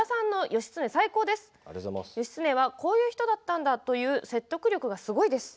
義経はこういう人だったんだという説得力がすごいです。